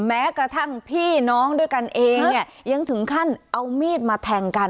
แม้กระทั่งพี่น้องด้วยกันเองเนี่ยยังถึงขั้นเอามีดมาแทงกัน